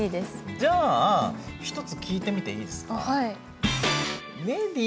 じゃあ一つ聞いてみていいですか？